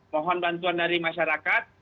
mohon bantuan dari masyarakat